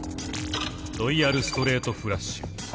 ロイヤルストレートフラッシュ。